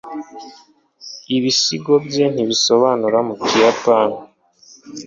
ibisigo bye ntibisobanura mu kiyapani